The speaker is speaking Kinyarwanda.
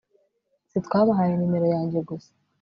sitwabahaye nimero yanjye gusa